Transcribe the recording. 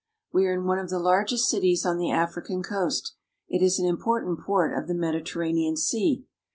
We are in one of the largest cities on the African coast; it is an impor tant port of the Mediterranean Sea.